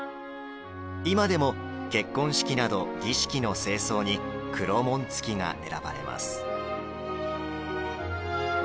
今でも結婚式など儀式の正装に黒紋付が選ばれます。